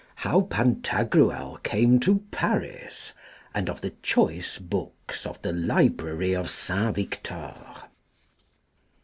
How Pantagruel came to Paris, and of the choice books of the Library of St. Victor.